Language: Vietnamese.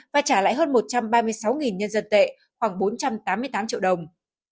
và trả lại hơn một trăm ba mươi sáu nhân dân tệ khoảng bốn trăm tám mươi tám triệu đồng